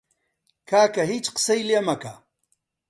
کاکە هیچ قسەی لێ مەکە!